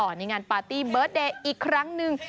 ในงานปาร์ตี้เบิร์ตเดย์อีกครั้งหนึ่ง